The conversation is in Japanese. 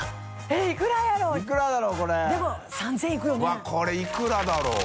わっこれいくらだろう？